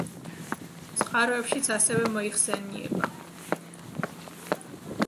წყაროებშიც ასევე მოიხსენიება.